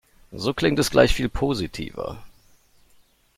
So klingt es gleich viel positiver.